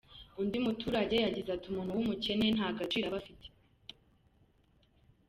Undi muturage yagize ati “umuntu w’umukene nta gaciro aba afite.